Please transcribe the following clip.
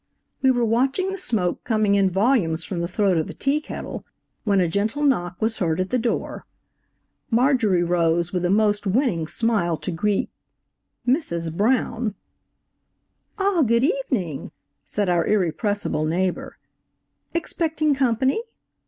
We were watching the smoke coming in volumes from the throat of the tea kettle, when a gentle knock was heard at the door. Marjorie rose with a most winning smile to greet–Mrs. Brown! "Ah, good evening," said our irrepressible neighbor; "Expecting company?"